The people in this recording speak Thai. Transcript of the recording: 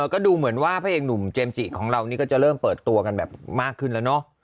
ก็ดูเหมือนว่าพระเอกหนุ่มเจมสจิของเรานี่ก็จะเริ่มเปิดตัวกันแบบมากขึ้นแล้วเนอะ